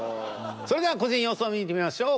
それでは個人予想を見てみましょう。